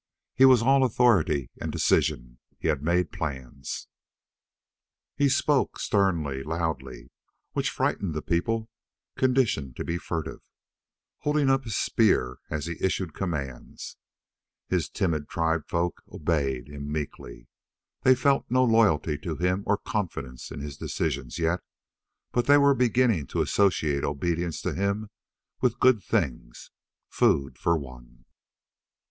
He was all authority and decision. He had made plans. He spoke sternly, loudly which frightened people conditioned to be furtive holding up his spear as he issued commands. His timid tribesfolk obeyed him meekly. They felt no loyalty to him or confidence in his decisions yet, but they were beginning to associate obedience to him with good things. Food, for one.